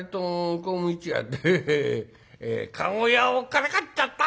駕籠屋をからかっちゃった！